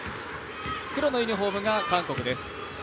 黒のユニフォームが韓国です。